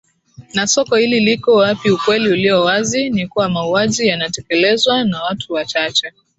na soko hili liko wapiUkweli uliowazi ni kuwa mauaji yanatekelezwa na watu wachache